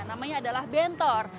namanya adalah bentor